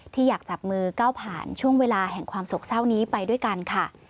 ที่อยากจับมือก้าวผ่านช่วงเวลาแห่งความโศกเศร้านี้ไปด้วยกันค่ะ